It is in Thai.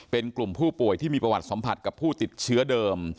เป็นกลุ่มผู้ป่วยที่มีประวัติสัมผัสกับผู้ติดเชื้อเดิม